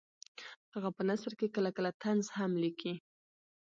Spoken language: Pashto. هغه په نثر کې کله کله طنز هم لیکي